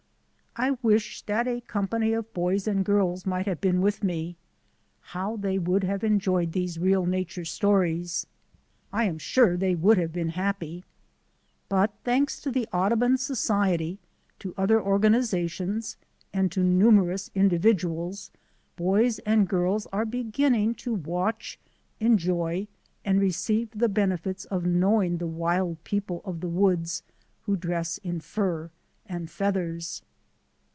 I wish that a com pany of boys and girls might have been with me. How they would have enjoyed these real nature stories! I am sure they would have been happy. But, thanks to the Audubon Society, to other organizations, and to numerous individuals, boys and girls are beginning to watch, enjoy, and receive the benefits of knowing the wild people of the woods who dress in fur and feathers.